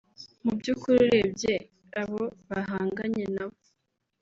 “Mu by’ukuri urebye abo bahanganye nabo